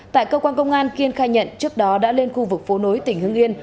tại cơ quan công an kiên khai nhận trước đó đã lên khu vực phố nối tỉnh hưng yên